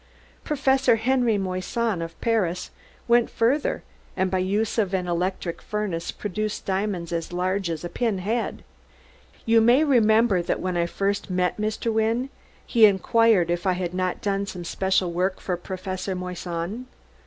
Professor Henri Moissan, of Paris, went further, and by use of an electric furnace produced diamonds as large as a pinhead. You may remember that when I first met Mr. Wynne he inquired if I had not done some special work for Professor Moissan.